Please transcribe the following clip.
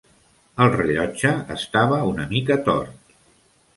El rellotge estava una mica tort.